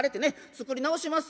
作り直しまっせ」。